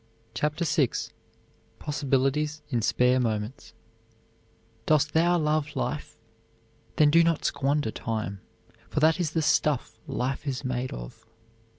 CHAPTER VI POSSIBILITIES IN SPARE MOMENTS Dost thou love life? Then do not squander time, for that is the stuff life is made of.